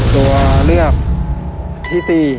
ตัวเลือกที่๔